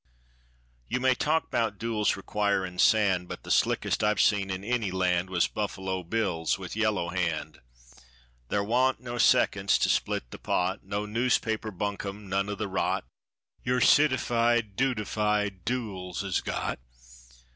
You may talk 'bout duels requirin' sand, But the slickest I've seen in any land Was Buffalo Bill's with Yellow Hand. Thar wa'n't no seconds to split the pot, No noospaper buncombe, none o' the rot Your citified, dudefied duels 'as got.